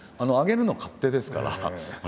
あげるのは勝手ですから。